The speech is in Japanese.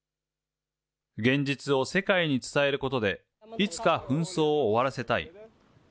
現実を世界に伝えることで、いつか紛争を終わらせたい。